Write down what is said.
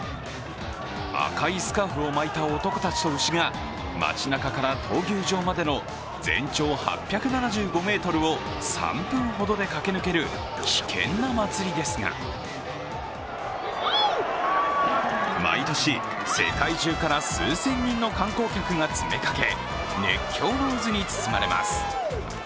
赤いスカーフを巻いた男たちと牛が街なかから闘牛場までの全長８７５ｍを３分ほどで駆け抜ける危険な祭りですが毎年、世界中から数千人の観光客が詰めかけ、熱狂の渦に包まれます。